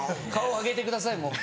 顔上げてください